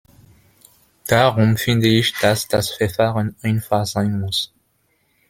Darum finde ich, dass das Verfahren einfach sein muss.